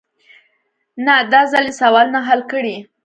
نه داځل يې سوالونه حل کړي.